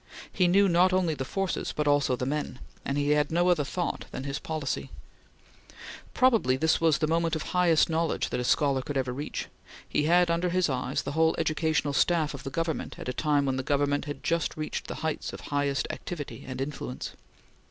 He knew not only the forces but also the men, and he had no other thought than his policy. Probably this was the moment of highest knowledge that a scholar could ever reach. He had under his eyes the whole educational staff of the Government at a time when the Government had just reached the heights of highest activity and influence.